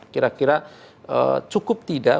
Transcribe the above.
kira kira cukup tidak